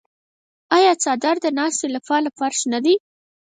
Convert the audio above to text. آیا څادر د ناستې لپاره فرش نه دی؟